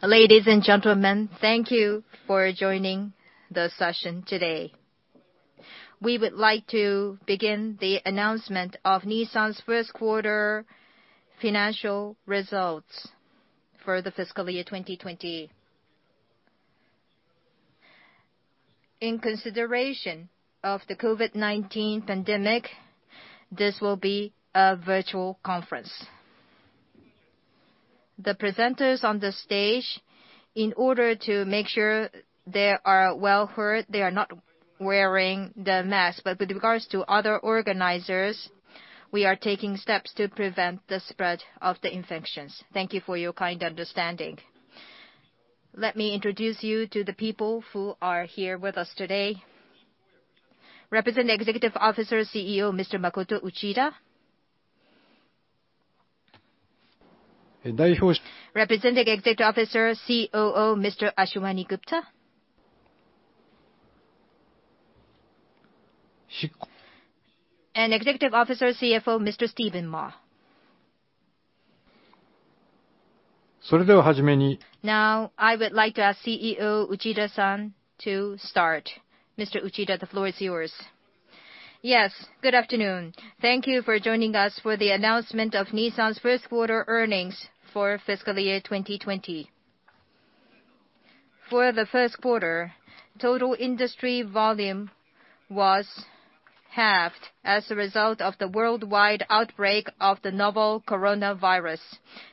Ladies and gentlemen, thank you for joining the session today. We would like to begin the announcement of Nissan's first quarter financial results for the fiscal year 2020. In consideration of the COVID-19 pandemic, this will be a virtual conference. The presenters on the stage, in order to make sure they are well heard, they are not wearing the mask. With regards to other organizers, we are taking steps to prevent the spread of the infections. Thank you for your kind understanding. Let me introduce you to the people who are here with us today. Representing Executive Officer, CEO, Mr. Makoto Uchida. Representing Executive Officer, COO, Mr. Ashwani Gupta. Executive Officer, CFO, Mr. Stephen Ma. Now, I would like to ask CEO Uchida-san to start. Mr. Uchida, the floor is yours. Yes. Good afternoon. Thank you for joining us for the announcement of Nissan's first quarter earnings for fiscal year 2020. For the first quarter, total industry volume was halved as a result of the worldwide outbreak of the novel coronavirus.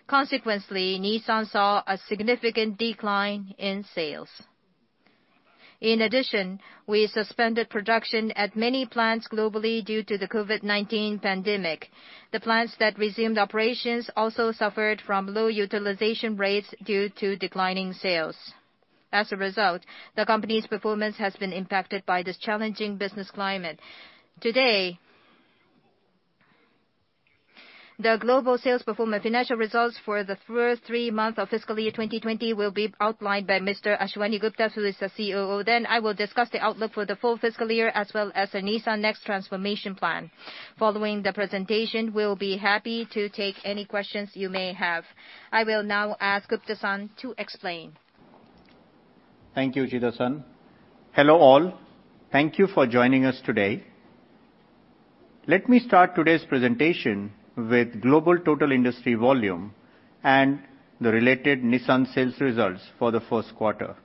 Consequently, Nissan saw a significant decline in sales. In addition, we suspended production at many plants globally due to the COVID-19 pandemic. The plants that resumed operations also suffered from low utilization rates due to declining sales. As a result, the company's performance has been impacted by this challenging business climate. The global sales performance financial results for the first three months of fiscal year 2020 will be outlined by Mr. Ashwani Gupta, who is the COO. I will discuss the outlook for the full fiscal year as well as the Nissan NEXT Transformation Plan. Following the presentation, we'll be happy to take any questions you may have. I will now ask Gupta-san to explain. Thank you, Uchida-san. Hello, all. Thank you for joining us today. Let me start today's presentation with global total industry volume and the related Nissan sales results for the first quarter.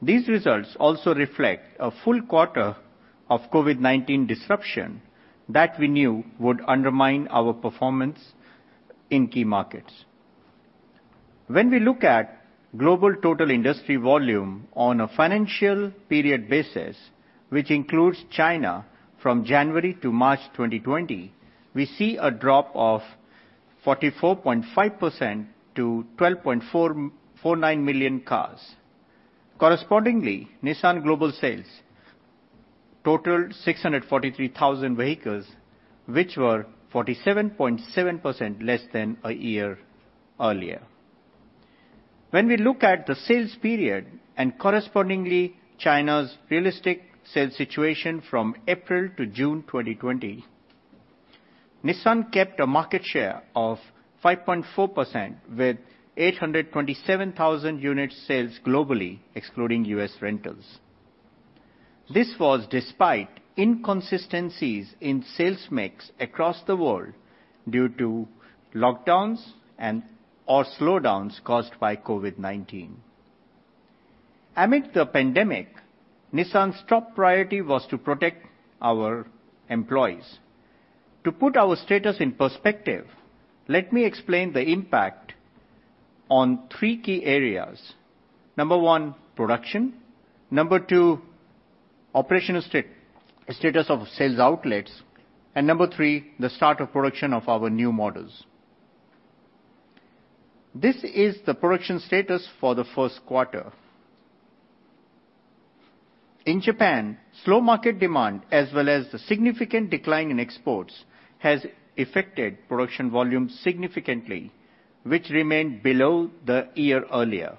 These results also reflect a full quarter of COVID-19 disruption that we knew would undermine our performance in key markets. When we look at global total industry volume on a financial period basis, which includes China from January to March 2020, we see a drop of 44.5% to 12.49 million cars. Correspondingly, Nissan global sales totaled 643,000 vehicles, which were 47.7% less than a year earlier. When we look at the sales period and correspondingly China's realistic sales situation from April to June 2020, Nissan kept a market share of 5.4% with 827,000 unit sales globally, excluding U.S. rentals. This was despite inconsistencies in sales mix across the world due to lockdowns and/or slowdowns caused by COVID-19. Amid the pandemic, Nissan's top priority was to protect our employees. To put our status in perspective, let me explain the impact on three key areas. Number one, production. Number two, operational status of sales outlets. Number three, the start of production of our new models. This is the production status for the first quarter. In Japan, slow market demand as well as the significant decline in exports has affected production volume significantly, which remained below the year earlier.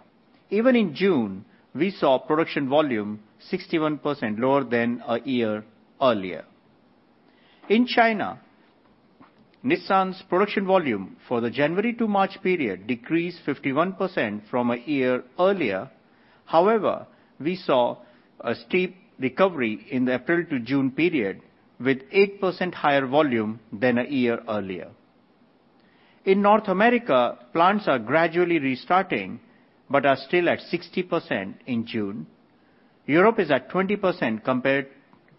Even in June, we saw production volume 61% lower than a year earlier. In China, Nissan's production volume for the January to March period decreased 51% from a year earlier. We saw a steep recovery in the April to June period with 8% higher volume than a year earlier. In North America, plants are gradually restarting but are still at 60% in June. Europe is at 20% compared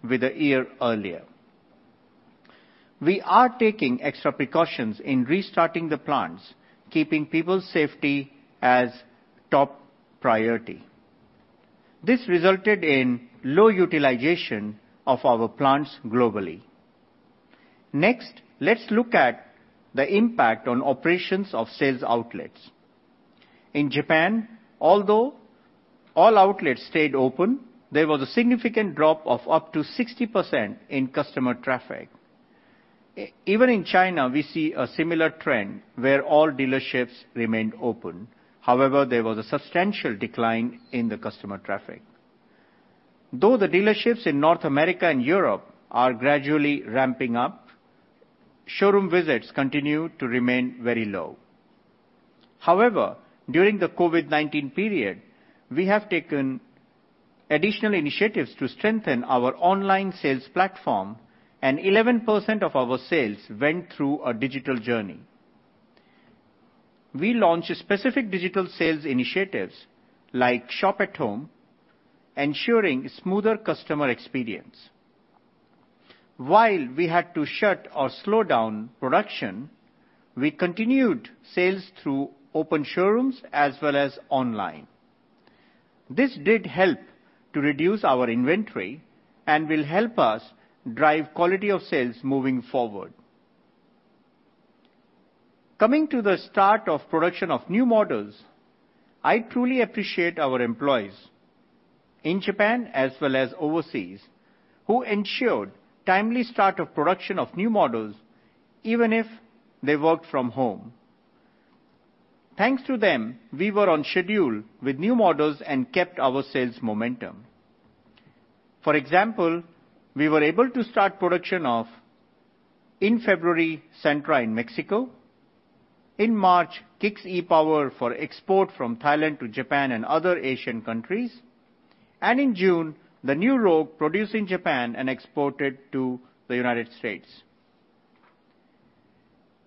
with a year earlier. We are taking extra precautions in restarting the plants, keeping people's safety as top priority. This resulted in low utilization of our plants globally. Let's look at the impact on operations of sales outlets. In Japan, although all outlets stayed open, there was a significant drop of up to 60% in customer traffic. Even in China, we see a similar trend where all dealerships remained open. There was a substantial decline in the customer traffic. The dealerships in North America and Europe are gradually ramping up. Showroom visits continue to remain very low. During the COVID-19 period, we have taken additional initiatives to strengthen our online sales platform, and 11% of our sales went through a digital journey. We launched specific digital sales initiatives like Shop@Home, ensuring smoother customer experience. While we had to shut or slow down production, we continued sales through open showrooms as well as online. This did help to reduce our inventory and will help us drive quality of sales moving forward. Coming to the start of production of new models, I truly appreciate our employees in Japan as well as overseas, who ensured timely start of production of new models, even if they worked from home. Thanks to them, we were on schedule with new models and kept our sales momentum. For example, we were able to start production of, in February, Sentra in Mexico. In March, Kicks e-POWER for export from Thailand to Japan and other Asian countries. In June, the new Rogue produced in Japan and exported to the United States.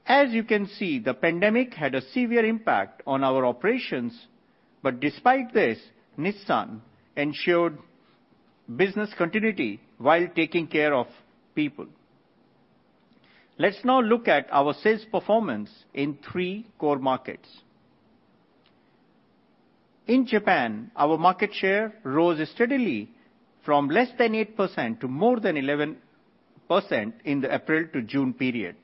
As you can see, the pandemic had a severe impact on our operations, but despite this, Nissan ensured business continuity while taking care of people. Let's now look at our sales performance in three core markets. In Japan, our market share rose steadily from less than 8% to more than 11% in the April to June period.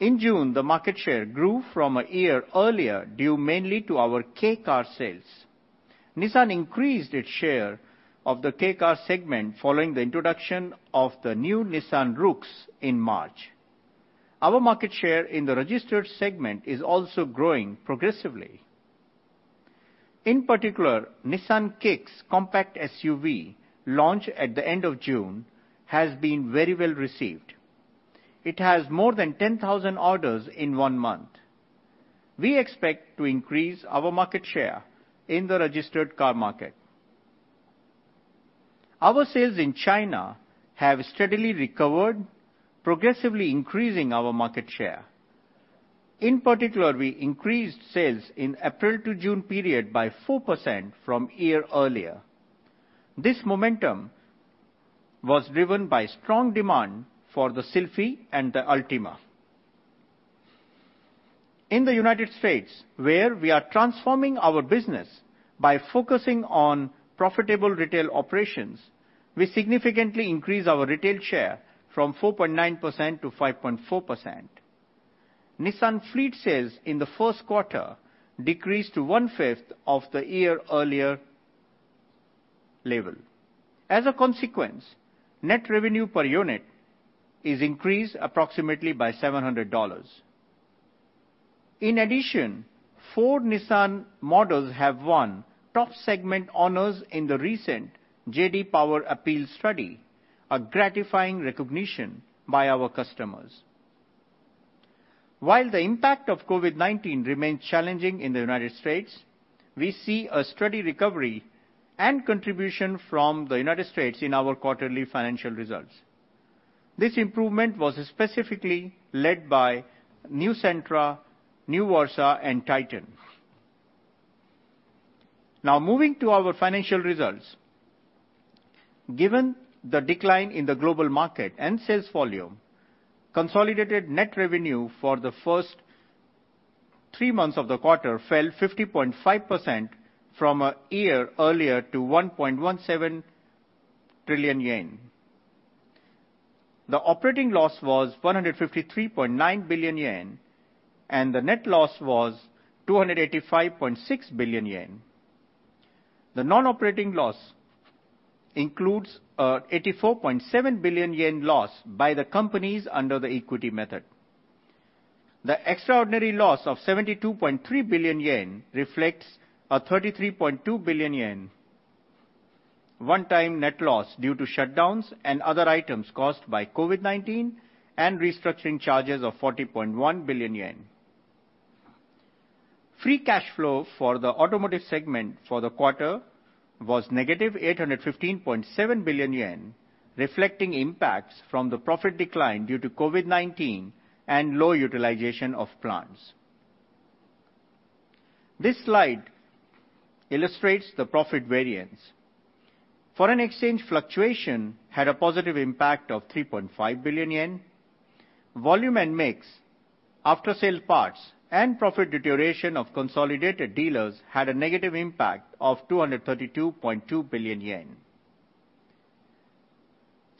In June, the market share grew from a year earlier due mainly to our kei car sales. Nissan increased its share of the kei car segment following the introduction of the new Nissan Roox in March. Our market share in the registered segment is also growing progressively. In particular, Nissan Kicks compact SUV, launched at the end of June, has been very well received. It has more than 10,000 orders in one month. We expect to increase our market share in the registered car market. Our sales in China have steadily recovered, progressively increasing our market share. In particular, we increased sales in April to June period by 4% from a year-earlier. This momentum was driven by strong demand for the Sylphy and the Altima. In the United States, where we are transforming our business by focusing on profitable retail operations, we significantly increased our retail share from 4.9%-5.4%. Nissan fleet sales in the first quarter decreased to 1/5 of the year-earlier level. As a consequence, net revenue per unit is increased approximately by $700. In addition, four Nissan models have won top segment honors in the recent J.D. Power APEAL study, a gratifying recognition by our customers. While the impact of COVID-19 remains challenging in the United States, we see a steady recovery and contribution from the United States in our quarterly financial results. This improvement was specifically led by new Sentra, new Versa, and Titan. Moving to our financial results. Given the decline in the global market and sales volume, consolidated net revenue for the first three months of the quarter fell 50.5% from a year earlier to 1.17 trillion yen. The operating loss was 153.9 billion yen, and the net loss was 285.6 billion yen. The non-operating loss includes a 84.7 billion yen loss by the companies under the equity method. The extraordinary loss of 72.3 billion yen reflects a 33.2 billion yen 1x net loss due to shutdowns and other items caused by COVID-19 and restructuring charges of 40.1 billion yen. Free cash flow for the automotive segment for the quarter was -815.7 billion yen, reflecting impacts from the profit decline due to COVID-19 and low utilization of plants. This slide illustrates the profit variance. Foreign exchange fluctuation had a positive impact of 3.5 billion yen. Volume and mix, after-sale parts, and profit deterioration of consolidated dealers had a negative impact of 232.2 billion yen.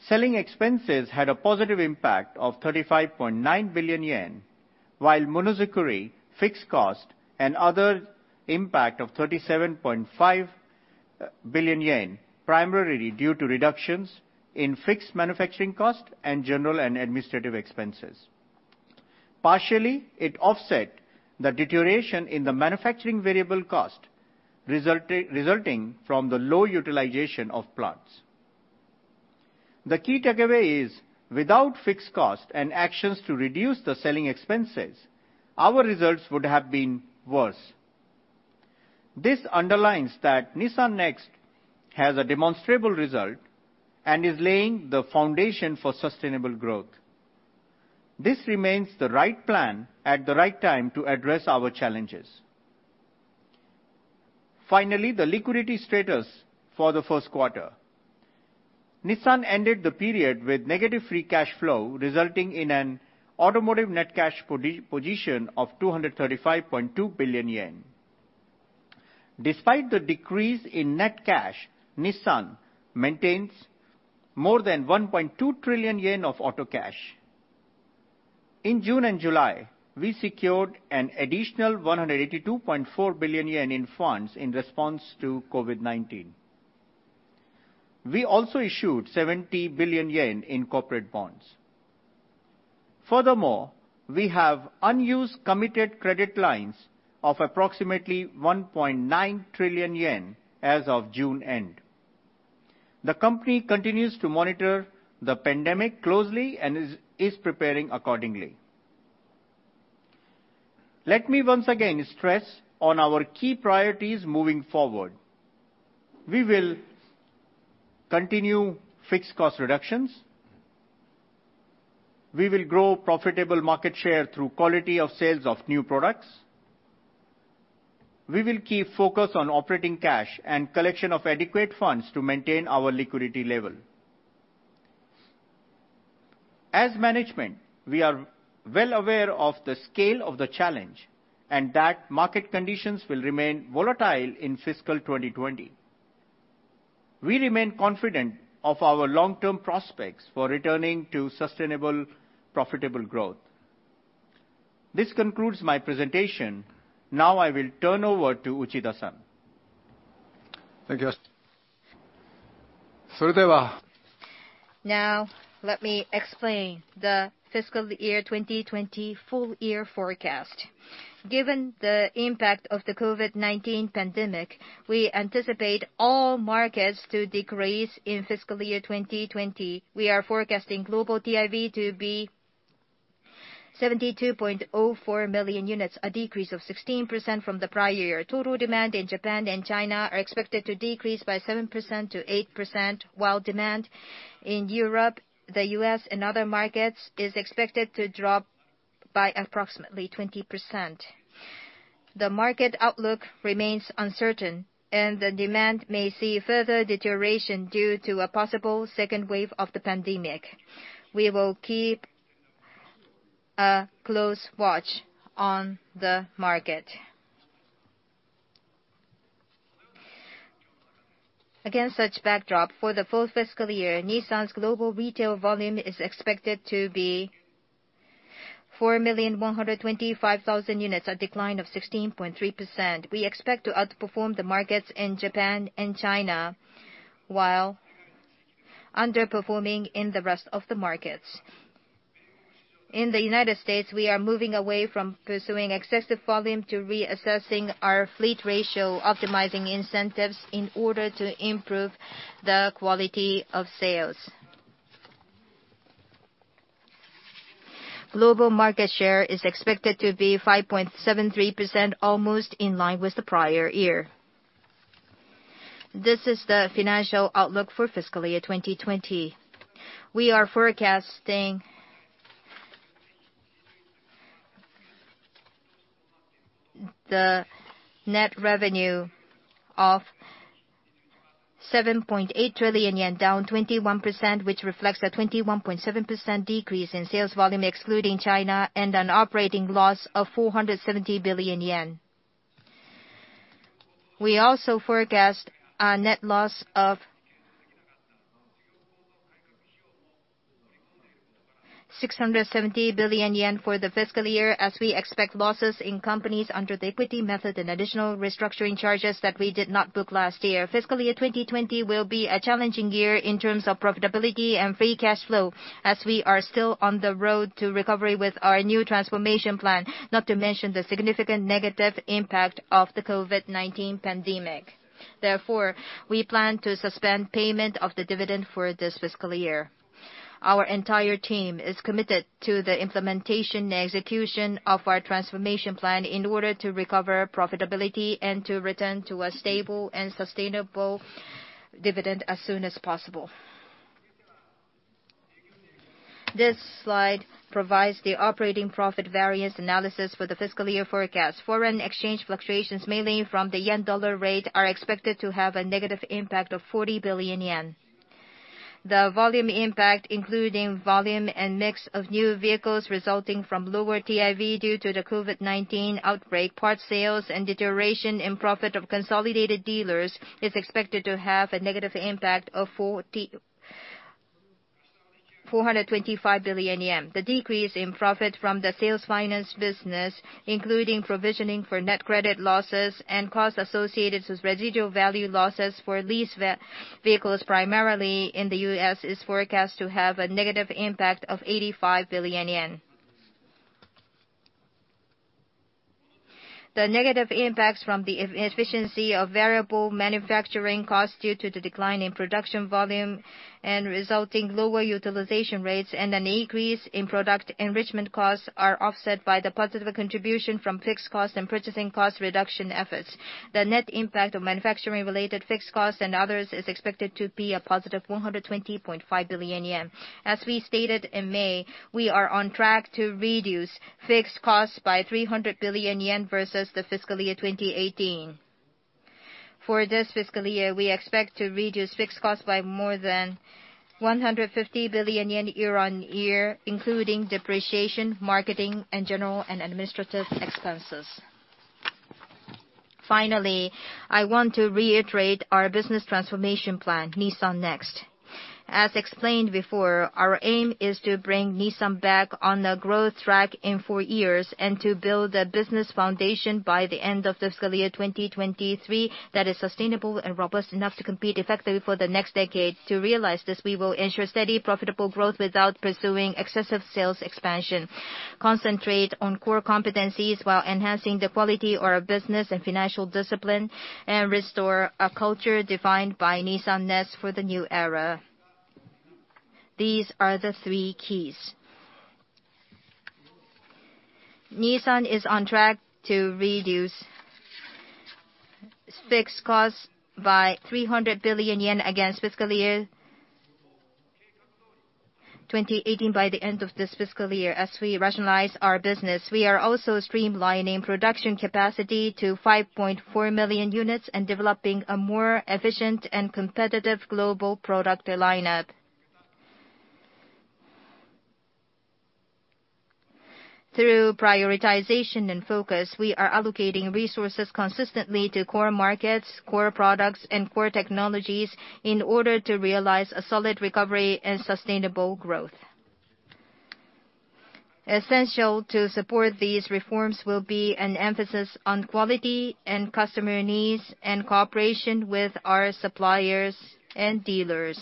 Selling expenses had a positive impact of 35.9 billion yen, while Monozukuri fixed cost and other impact of 37.5 billion yen, primarily due to reductions in fixed manufacturing cost and general and administrative expenses. Partially, it offset the deterioration in the manufacturing variable cost resulting from the low utilization of plants. The key takeaway is, without fixed cost and actions to reduce the selling expenses, our results would have been worse. This underlines that Nissan NEXT has a demonstrable result and is laying the foundation for sustainable growth. This remains the right plan at the right time to address our challenges. Finally, the liquidity status for the first quarter. Nissan ended the period with negative free cash flow, resulting in an automotive net cash position of 235.2 billion yen. Despite the decrease in net cash, Nissan maintains more than 1.2 trillion yen of auto cash. In June and July, we secured an additional 182.4 billion yen in funds in response to COVID-19. We also issued 70 billion yen in corporate bonds. Furthermore, we have unused committed credit lines of approximately 1.9 trillion yen as of June end. The company continues to monitor the pandemic closely and is preparing accordingly. Let me once again stress on our key priorities moving forward. We will continue fixed cost reductions. We will grow profitable market share through quality of sales of new products. We will keep focus on operating cash and collection of adequate funds to maintain our liquidity level. As management, we are well aware of the scale of the challenge and that market conditions will remain volatile in fiscal 2020. We remain confident of our long-term prospects for returning to sustainable profitable growth. This concludes my presentation. I will turn over to Uchida-san. Thank you. Now let me explain the fiscal year 2020 full year forecast. Given the impact of the COVID-19 pandemic, we anticipate all markets to decrease in fiscal year 2020. We are forecasting global TIV to be 72.04 million units, a decrease of 16% from the prior year. Total demand in Japan and China are expected to decrease by 7% to 8%, while demand in Europe, the U.S., and other markets is expected to drop by approximately 20%. The market outlook remains uncertain, and the demand may see further deterioration due to a possible second wave of the pandemic. We will keep a close watch on the market. Against such backdrop, for the full fiscal year, Nissan's global retail volume is expected to be 4,125,000 units, a decline of 16.3%. We expect to outperform the markets in Japan and China, while underperforming in the rest of the markets. In the United States, we are moving away from pursuing excessive volume to reassessing our fleet ratio, optimizing incentives in order to improve the quality of sales. Global market share is expected to be 5.73%, almost in line with the prior year. This is the financial outlook for fiscal year 2020. We are forecasting the net revenue of 7.8 trillion yen down 21%, which reflects a 21.7% decrease in sales volume excluding China, and an operating loss of 470 billion yen. We also forecast a net loss of 670 billion yen for the fiscal year, as we expect losses in companies under the equity method and additional restructuring charges that we did not book last year. Fiscal year 2020 will be a challenging year in terms of profitability and free cash flow, as we are still on the road to recovery with our new transformation plan, not to mention the significant negative impact of the COVID-19 pandemic. We plan to suspend payment of the dividend for this fiscal year. Our entire team is committed to the implementation and execution of our transformation plan in order to recover profitability and to return to a stable and sustainable dividend as soon as possible. This slide provides the operating profit variance analysis for the fiscal year forecast. Foreign exchange fluctuations, mainly from the yen-dollar rate, are expected to have a negative impact of 40 billion yen. The volume impact, including volume and mix of new vehicles resulting from lower TIV due to the COVID-19 outbreak, parts sales, and deterioration in profit of consolidated dealers, is expected to have a negative impact of 425 billion. The decrease in profit from the sales finance business, including provisioning for net credit losses and costs associated with residual value losses for lease vehicles primarily in the U.S., is forecast to have a negative impact of 85 billion yen. The negative impacts from the efficiency of variable manufacturing costs due to the decline in production volume and resulting lower utilization rates and an increase in product enrichment costs are offset by the positive contribution from fixed costs and purchasing cost reduction efforts. The net impact of manufacturing-related fixed costs and others is expected to be a +120.5 billion yen. As we stated in May, we are on track to reduce fixed costs by 300 billion yen versus the fiscal year 2018. For this fiscal year, we expect to reduce fixed costs by more than 150 billion yen year-on-year, including depreciation, marketing, and general and administrative expenses. Finally, I want to reiterate our business transformation plan, Nissan NEXT. As explained before, our aim is to bring Nissan back on the growth track in four years and to build a business foundation by the end of fiscal year 2023 that is sustainable and robust enough to compete effectively for the next decade. To realize this, we will ensure steady profitable growth without pursuing excessive sales expansion, concentrate on core competencies while enhancing the quality of our business and financial discipline, and restore a culture defined by Nissan NEXT for the new era. These are the three keys. Nissan is on track to reduce fixed costs by 300 billion yen against fiscal year 2018 by the end of this fiscal year. As we rationalize our business, we are also streamlining production capacity to 5.4 million units and developing a more efficient and competitive global product lineup. Through prioritization and focus, we are allocating resources consistently to core markets, core products, and core technologies in order to realize a solid recovery and sustainable growth. Essential to support these reforms will be an emphasis on quality and customer needs and cooperation with our suppliers and dealers.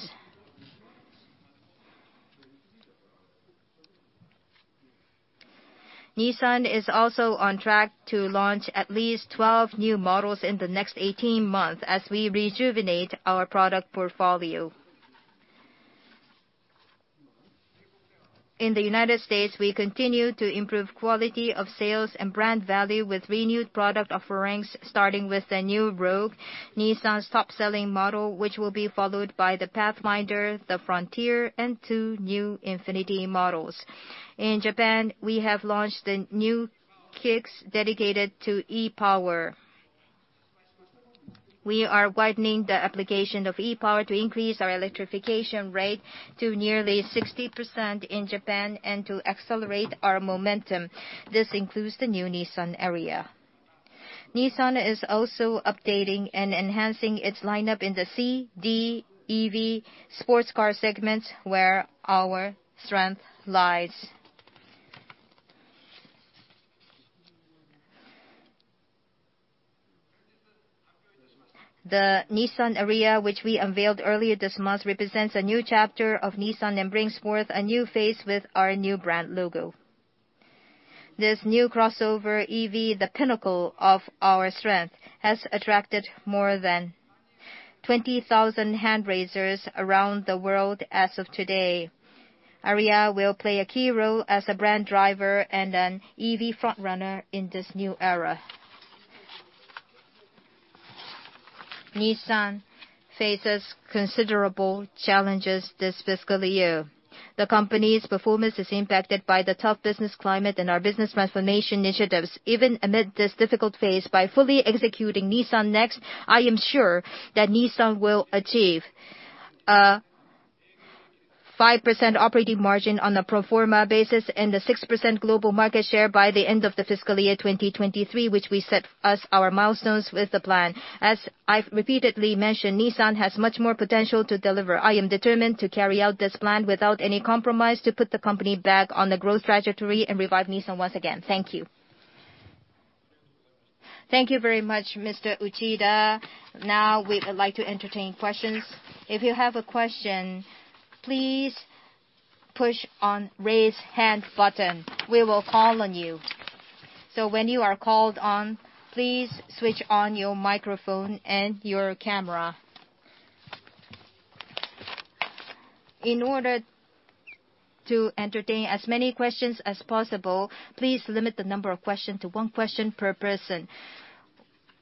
Nissan is also on track to launch at least 12 new models in the next 18 months as we rejuvenate our product portfolio. In the U.S., we continue to improve quality of sales and brand value with renewed product offerings, starting with the new Rogue, Nissan's top-selling model, which will be followed by the Pathfinder, the Frontier, and two new INFINITI models. In Japan, we have launched the new Kicks dedicated to e-POWER. We are widening the application of e-POWER to increase our electrification rate to nearly 60% in Japan and to accelerate our momentum. This includes the new Nissan Ariya. Nissan is also updating and enhancing its lineup in the C, D, EV, sports car segments, where our strength lies. The Nissan Ariya, which we unveiled earlier this month, represents a new chapter of Nissan and brings forth a new phase with our new brand logo. This new crossover EV, the pinnacle of our strength, has attracted more than 20,000 hand raisers around the world as of today. Ariya will play a key role as a brand driver and an EV front-runner in this new era. Nissan faces considerable challenges this fiscal year. The company's performance is impacted by the tough business climate and our business transformation initiatives. Even amid this difficult phase, by fully executing Nissan NEXT, I am sure that Nissan will achieve a 5% operating margin on a pro forma basis and a 6% global market share by the end of the fiscal year 2023, which we set as our milestones with the plan. As I've repeatedly mentioned, Nissan has much more potential to deliver. I am determined to carry out this plan without any compromise to put the company back on the growth trajectory and revive Nissan once again. Thank you. Thank you very much, Mr. Uchida. Now we would like to entertain questions. If you have a question, please push on Raise Hand button. We will call on you. When you are called on, please switch on your microphone and your camera. In order to entertain as many questions as possible, please limit the number of questions to one question per person.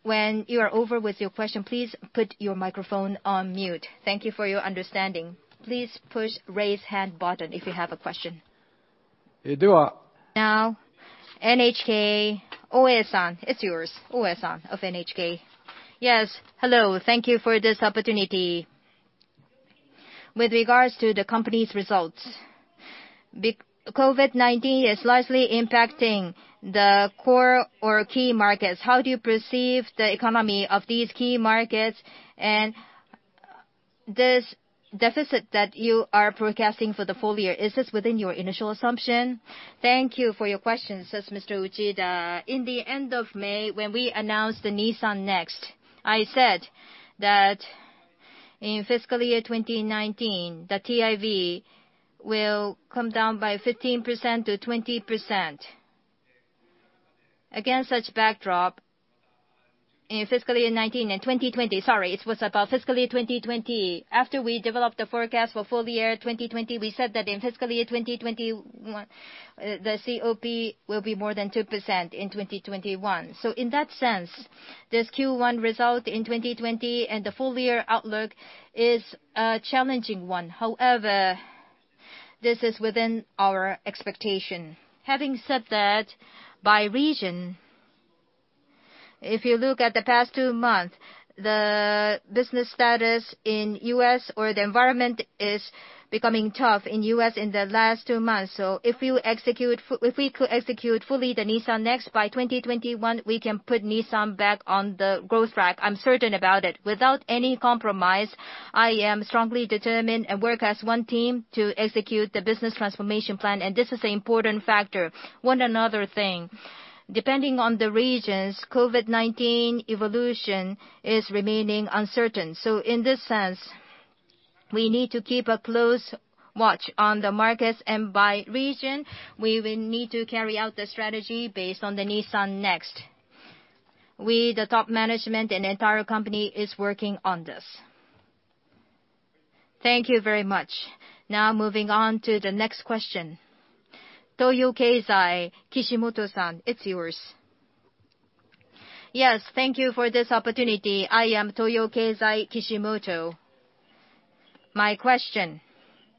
When you are over with your question, please put your microphone on mute. Thank you for your understanding. Please push Raise Hand button if you have a question. NHK. Obi-san, it's yours. Obi-san of NHK. Yes. Hello. Thank you for this opportunity. With regards to the company's results, COVID-19 is largely impacting the core or key markets. How do you perceive the economy of these key markets? This deficit that you are forecasting for the full year, is this within your initial assumption? Thank you for your question. In the end of May, when we announced the Nissan NEXT, I said that in fiscal year 2019, the TIV will come down by 15% to 20%. Against such backdrop, it was about fiscal year 2020. After we developed the forecast for full year 2020, we said that in fiscal year 2021, the COP will be more than 2% in 2021. In that sense, this Q1 result in 2020 and the full-year outlook is a challenging one. However, this is within our expectation. Having said that, by region, if you look at the past two months, the business status in U.S. or the environment is becoming tough in U.S. in the last two months. If we could execute fully the Nissan NEXT by 2021, we can put Nissan back on the growth track. I'm certain about it. Without any compromise, I am strongly determined and work as one team to execute the business transformation plan. This is an important factor. One another thing, depending on the regions, COVID-19 evolution is remaining uncertain. In this sense, we need to keep a close watch on the markets, and by region, we will need to carry out the strategy based on the Nissan NEXT. We, the top management and entire company, is working on this. Thank you very much. Now, moving on to the next question. Toyo Keizai, Kishimoto-san, it's yours. Yes. Thank you for this opportunity. I am from Toyo Keizai, Kishimoto. My question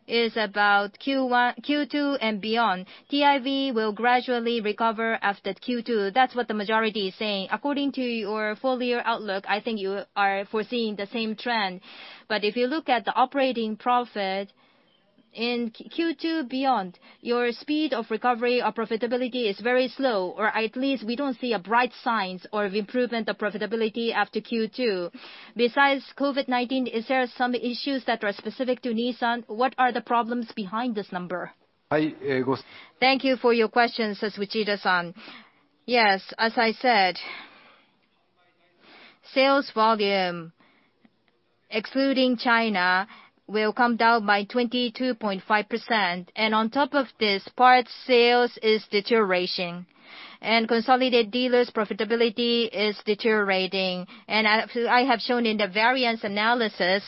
is about Q2 and beyond. TIV will gradually recover after Q2. That's what the majority is saying. According to your full-year outlook, I think you are foreseeing the same trend. If you look at the operating profit in Q2 beyond, your speed of recovery or profitability is very slow, or at least we don't see bright signs of improvement of profitability after Q2. Besides COVID-19, is there some issues that are specific to Nissan? What are the problems behind this number? Thank you for your question, Kishimoto-san. Yes, as I said, sales volume, excluding China, will come down by 22.5%. On top of this, parts sales is deteriorating and consolidated dealers profitability is deteriorating. As I have shown in the variance analysis,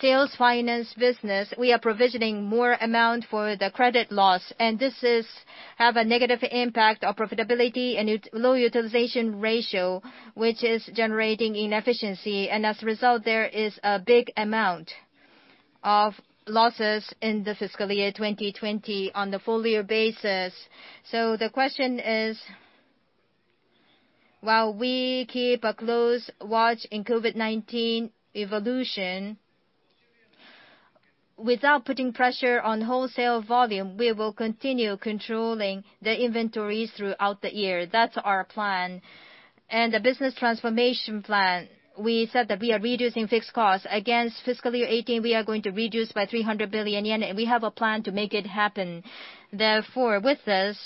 sales finance business, we are provisioning more amount for the credit loss, and this has a negative impact on profitability and low utilization ratio, which is generating inefficiency. As a result, there is a big amount of losses in the fiscal year 2020 on the full-year basis. The question is, while we keep a close watch in COVID-19 evolution, without putting pressure on wholesale volume, we will continue controlling the inventories throughout the year. That's our plan. The business transformation plan, we said that we are reducing fixed costs. Against fiscal year 2018, we are going to reduce by 300 billion yen, and we have a plan to make it happen. With this,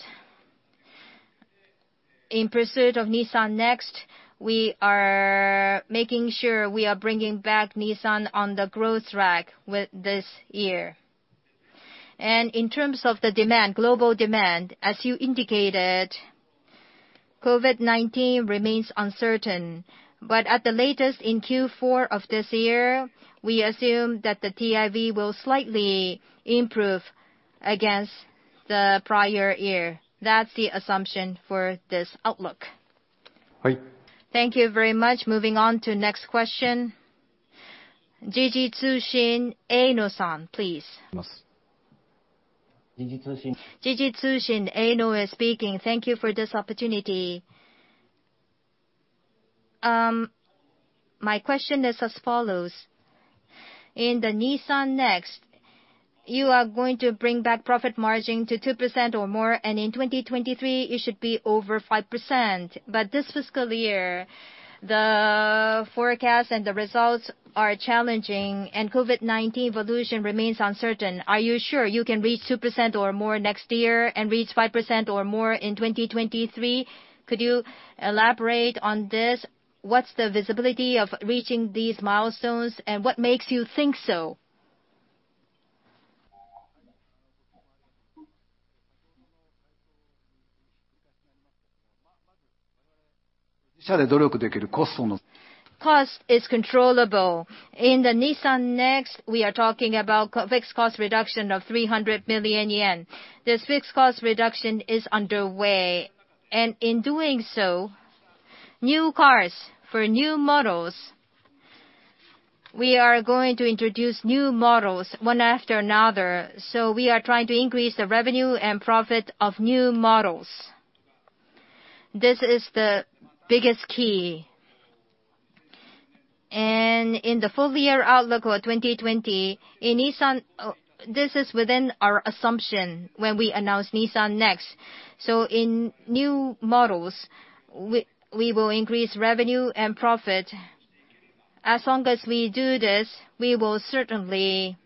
in pursuit of Nissan NEXT, we are making sure we are bringing back Nissan on the growth track with this year. In terms of the demand, global demand, as you indicated, COVID-19 remains uncertain. At the latest, in Q4 of this year, we assume that the TIV will slightly improve against the prior year. That's the assumption for this outlook. Thank you very much. Moving on to next question. Jiji Tsūshinsha, Eino-san, please. Jiji Tsūshinsha, Eino speaking. Thank you for this opportunity. My question is as follows: In the Nissan NEXT, you are going to bring back profit margin to 2% or more, and in 2023, it should be over 5%. This fiscal year, the forecast and the results are challenging, and COVID-19 evolution remains uncertain. Are you sure you can reach 2% or more next year and reach 5% or more in 2023? Could you elaborate on this? What's the visibility of reaching these milestones, and what makes you think so? Cost is controllable. In the Nissan NEXT, we are talking about fixed cost reduction of 300 billion yen. This fixed cost reduction is underway, and in doing so, new cars for new models, we are going to introduce new models one after another. We are trying to increase the revenue and profit of new models. This is the biggest key. In the full-year outlook for 2020, in Nissan, this is within our assumption when we announced Nissan NEXT. In new models, we will increase revenue and profit. As long as we do this, we will certainly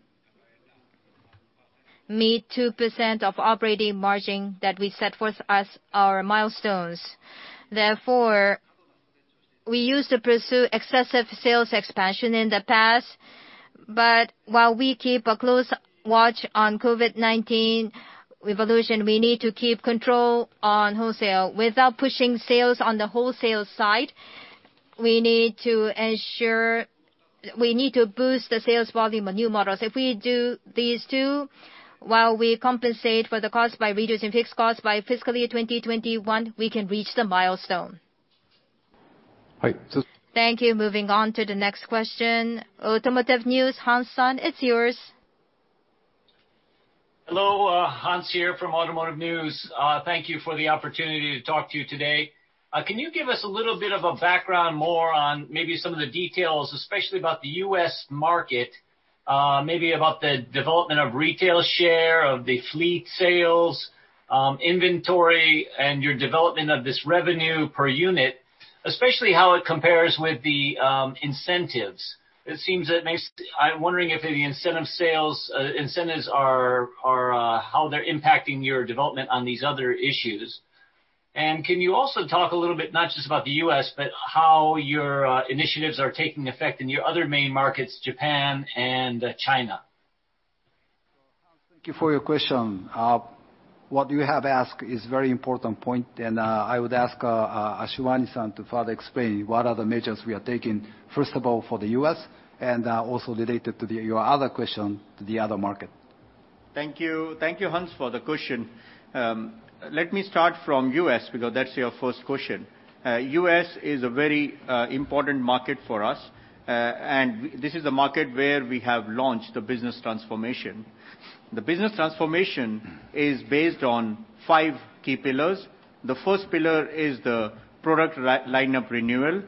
meet 2% of operating margin that we set forth as our milestones. We used to pursue excessive sales expansion in the past, but while we keep a close watch on COVID-19 evolution, we need to keep control on wholesale. Without pushing sales on the wholesale side, we need to boost the sales volume of new models. If we do these two, while we compensate for the cost by reducing fixed costs, by fiscal year 2021, we can reach the milestone. Right. Thank you. Moving on to the next question. Automotive News, Hans, it's yours. Hello. Hans here from Automotive News. Thank you for the opportunity to talk to you today. Can you give us a little bit of a background more on maybe some of the details, especially about the U.S. market, maybe about the development of retail share of the fleet sales, inventory, and your development of this revenue per unit, especially how it compares with the incentives. I'm wondering if the incentive sales incentives, how they're impacting your development on these other issues. Can you also talk a little bit, not just about the U.S., but how your initiatives are taking effect in your other main markets, Japan and China? Thank you for your question. What you have asked is a very important point, and I would ask Ashwani to further explain what are the measures we are taking, first of all, for the U.S. and, also related to your other question, to the other market. Thank you, Hans, for the question. Let me start from U.S., because that's your first question. U.S. is a very important market for us. This is the market where we have launched the business transformation. The business transformation is based on five key pillars. The first pillar is the product lineup renewal.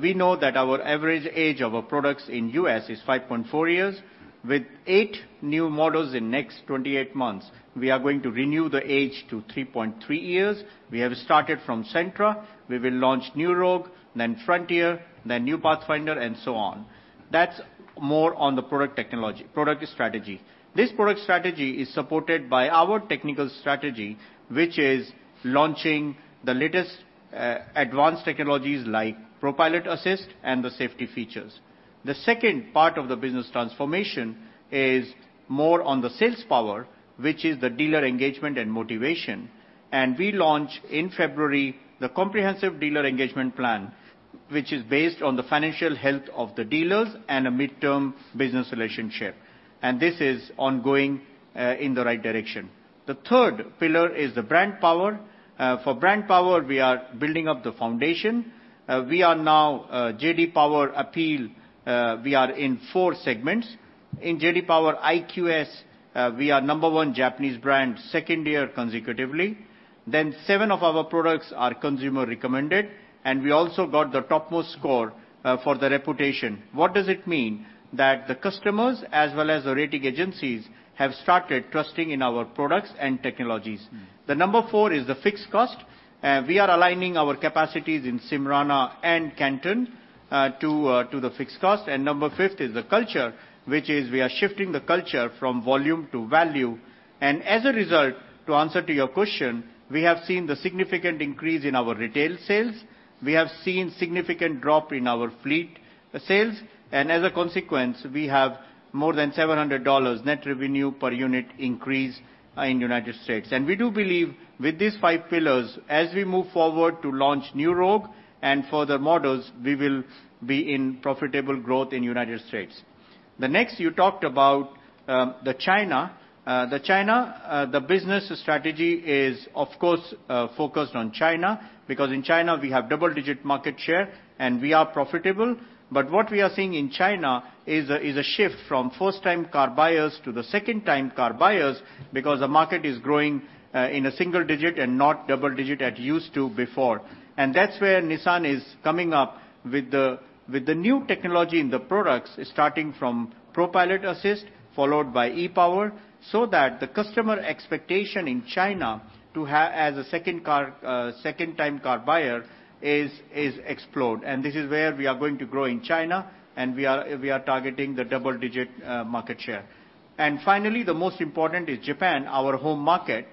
We know that our average age of our products in U.S. is 5.4 years. With eight new models in next 28 months, we are going to renew the age to 3.3 years. We have started from Sentra. We will launch new Rogue, then Frontier, then new Pathfinder, and so on. That's more on the product strategy. This product strategy is supported by our technical strategy, which is launching the latest advanced technologies like ProPILOT Assist and the safety features. The second part of the business transformation is more on the sales power, which is the dealer engagement and motivation. We launch in February the comprehensive dealer engagement plan, which is based on the financial health of the dealers and a midterm business relationship. This is ongoing in the right direction. The third pillar is the brand power. For brand power, we are building up the foundation. We are now J.D. Power APEAL, we are in four segments. In J.D. Power IQS, we are number one Japanese brand second year consecutively. Seven of our products are consumer recommended, and we also got the topmost score for the reputation. What does it mean? That the customers as well as the rating agencies have started trusting in our products and technologies. The number four is the fixed cost. We are aligning our capacities in Smyrna and Canton to the fixed cost. Number five is the culture, which is we are shifting the culture from volume to value. As a result, to answer to your question, we have seen the significant increase in our retail sales. We have seen significant drop in our fleet sales. As a consequence, we have more than $700 net revenue per unit increase in United States. We do believe with these five pillars, as we move forward to launch new Rogue and further models, we will be in profitable growth in United States. The next you talked about the China. The business strategy is of course, focused on China because in China we have double-digit market share and we are profitable. What we are seeing in China is a shift from first-time car buyers to the second-time car buyers because the market is growing in a single digit and not double digit as it used to before. That's where Nissan is coming up with the new technology in the products, starting from ProPILOT Assist, followed by e-POWER, so that the customer expectation in China as a second-time car buyer is explored. This is where we are going to grow in China, and we are targeting the double-digit market share. Finally, the most important is Japan, our home market.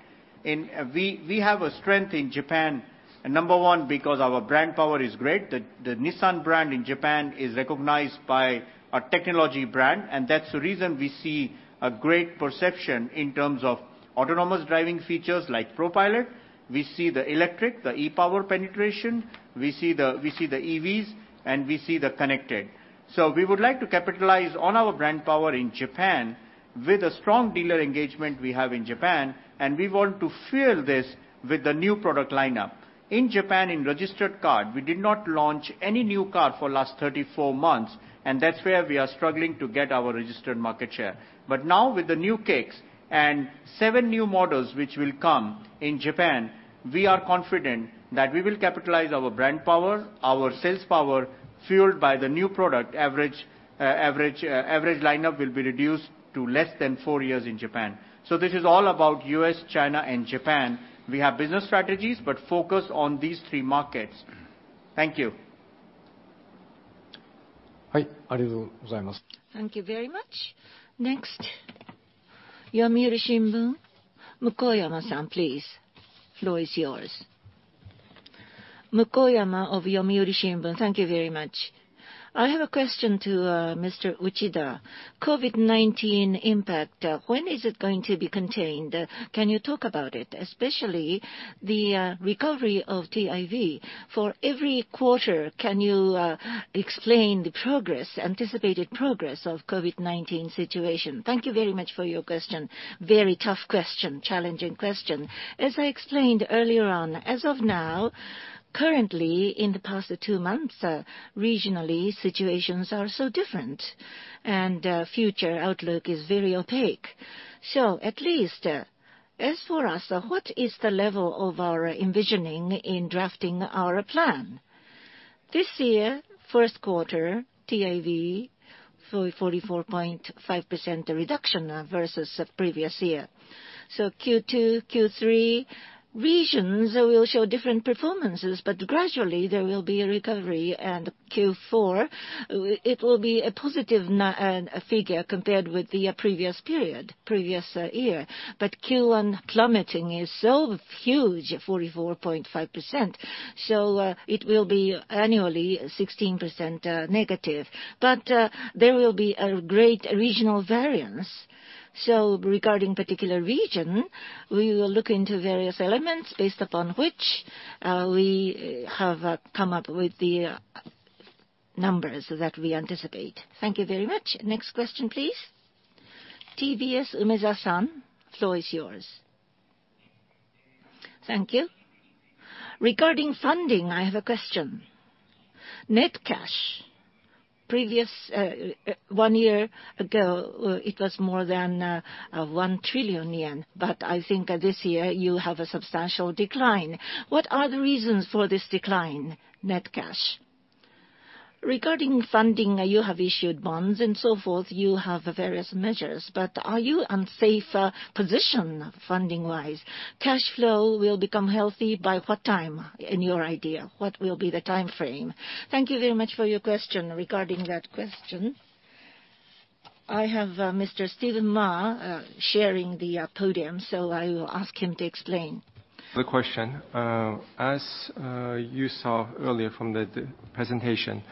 We have a strength in Japan. Number one, because our brand power is great. The Nissan brand in Japan is recognized by a technology brand, and that's the reason we see a great perception in terms of autonomous driving features like ProPILOT. We see the electric, the e-POWER penetration. We see the EVs and we see the connected. We would like to capitalize on our brand power in Japan with a strong dealer engagement we have in Japan, and we want to fuel this with the new product lineup. In Japan, in registered car, we did not launch any new car for last 34 months, and that's where we are struggling to get our registered market share. Now with the new Kicks and seven new models which will come in Japan, we are confident that we will capitalize our brand power, our sales power, fueled by the new product. Average lineup will be reduced to less than four years in Japan. This is all about U.S., China, and Japan. We have business strategies but focused on these three markets. Thank you. Thank you very much. Next, Yomiuri Shimbun, Mukoyama-san, please. Floor is yours. Mukoyama of Yomiuri Shimbun. Thank you very much. I have a question to Mr. Uchida. COVID-19 impact, when is it going to be contained? Can you talk about it, especially the recovery of TIV? For every quarter, can you explain the anticipated progress of COVID-19 situation? Thank you very much for your question. Very tough question, challenging question. As I explained earlier on, as of now, currently, in the past two months, regionally, situations are so different and future outlook is very opaque. At least as for us, what is the level of our envisioning in drafting our plan? This year, first quarter TIV, 44.5% reduction versus previous year. Q2, Q3, regions will show different performances, but gradually there will be a recovery. Q4, it will be a positive figure compared with the previous period, previous year. Q1 plummeting is so huge, 44.5%, it will be annually 16%-. There will be a great regional variance. Regarding particular region, we will look into various elements based upon which we have come up with the numbers that we anticipate. Thank you very much. Next question, please. TBS, Umezawa-san, floor is yours. Thank you. Regarding funding, I have a question. Net cash, one year ago, it was more than one trillion yen. I think this year you have a substantial decline. What are the reasons for this decline? Net cash. Regarding funding, you have issued bonds and so forth. You have various measures, are you on safer position funding-wise? Cash flow will become healthy by what time, in your idea? What will be the timeframe? Thank you very much for your question. Regarding that question, I have Mr. Stephen Ma sharing the podium, so I will ask him to explain. The question. As you saw earlier from the presentation,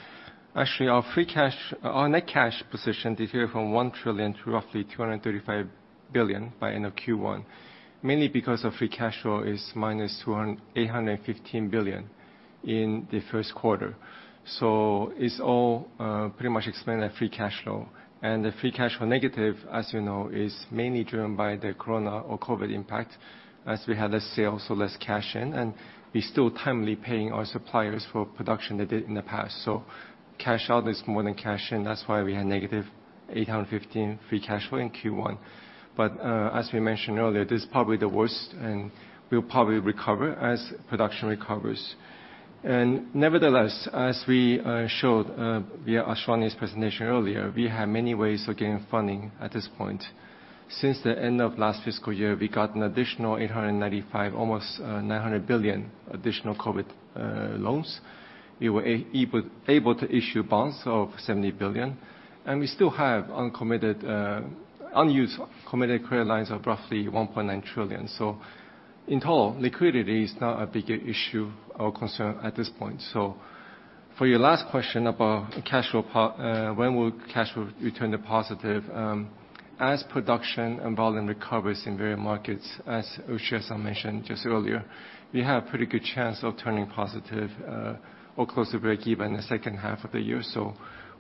actually, our net cash position differed from JPY 1 trillion to roughly JPY 235 billion by end of Q1, mainly because of free cash flow is -JPY 815 billion in the first quarter. It's all pretty much explained at free cash flow. The free cash flow negative, as you know, is mainly driven by the corona or COVID impact as we had less sales, so less cash in, and we're still timely paying our suppliers for production they did in the past. Cash out is more than cash in. That's why we had -815 free cash flow in Q1. As we mentioned earlier, this is probably the worst, and we'll probably recover as production recovers. Nevertheless, as we showed via Ashwani's presentation earlier, we have many ways of getting funding at this point. Since the end of last fiscal year, we got an additional 895 billion, almost 900 billion additional COVID loans. We were able to issue bonds of 70 billion, and we still have unused committed credit lines of roughly 1.9 trillion. In total, liquidity is not a big issue or concern at this point. For your last question about when will cash flow return to positive. As production and volume recovers in various markets, as Uchida-san mentioned just earlier, we have pretty good chance of turning positive or close to breakeven the second half of the year.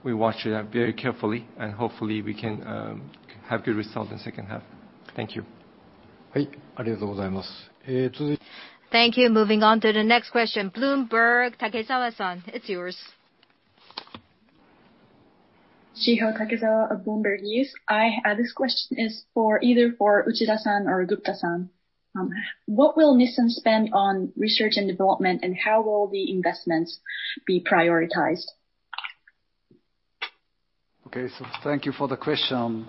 We watch that very carefully and hopefully we can have good result in second half. Thank you. Thank you. Moving on to the next question. Bloomberg, Takezawa-san, it's yours. Shiho Takezawa of Bloomberg News. This question is either for Uchida-san or Gupta-san. What will Nissan spend on research and development, and how will the investments be prioritized? Thank you for the question.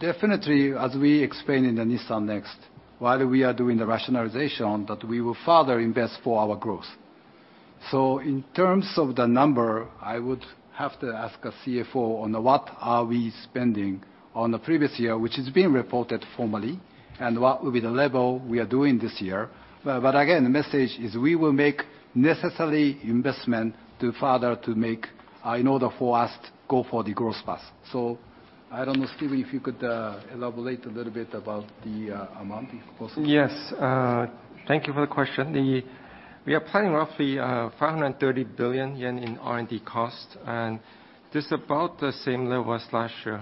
Definitely, as we explained in the Nissan NEXT, while we are doing the rationalization, that we will further invest for our growth. In terms of the number, I would have to ask our CFO on what are we spending on the previous year, which is being reported formally, and what will be the level we are doing this year. Again, the message is we will make necessary investment to further to make in order for us to go for the growth path. I don't know, Stephen, if you could elaborate a little bit about the amount, if possible. Yes. Thank you for the question. We are planning roughly 530 billion yen in R&D cost, and this about the same level as last year.